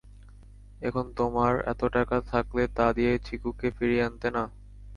এখন তমার এতো টাকা থাকলে, তা দিয়ে চিকুকে ফিরিয়ে আনতে না?